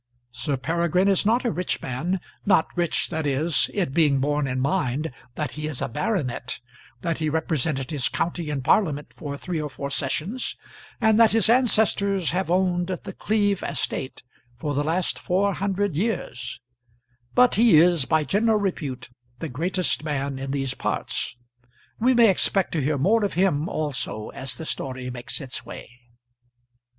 Sir Peregrine is not a rich man, not rich, that is, it being borne in mind that he is a baronet, that he represented his county in parliament for three or four sessions, and that his ancestors have owned The Cleeve estate for the last four hundred years; but he is by general repute the greatest man in these parts. We may expect to hear more of him also as the story makes its way.